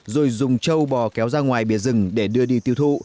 rồi dùng trâu bò kéo ra ngoài bia rừng để đưa đi tiêu thụ